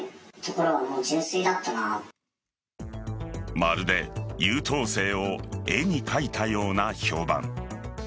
まるで優等生を絵に描いたような評判。